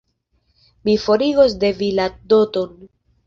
Mi forigos de vi la doton.